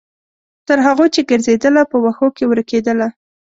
تر هغو چې ګرځیدله، په وښو کې ورکیدله